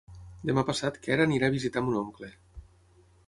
Demà passat en Quer anirà a visitar mon oncle.